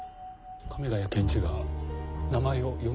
亀ヶ谷検事が名前を呼んでも。